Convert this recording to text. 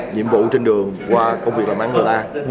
nhiệm vụ trên đường qua công việc làm ăn người ta